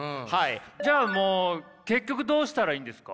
じゃあもう結局どうしたらいいんですか？